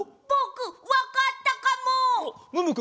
ぼくわかったかも！